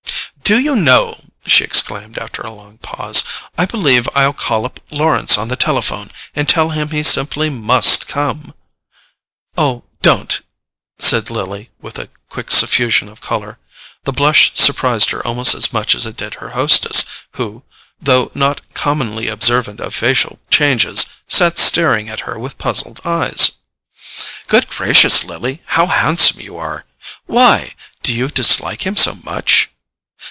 "Do you know," she exclaimed after a long pause, "I believe I'll call up Lawrence on the telephone and tell him he simply MUST come?" "Oh, don't," said Lily, with a quick suffusion of colour. The blush surprised her almost as much as it did her hostess, who, though not commonly observant of facial changes, sat staring at her with puzzled eyes. "Good gracious, Lily, how handsome you are! Why? Do you dislike him so much?"